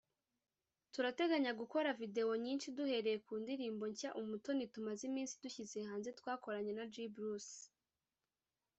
turateganya gukora video nyinshi duhereye ku ndirimbo nshya 'Umutoni' tumaze iminsi dushyize hanze twakoranye na G Bruce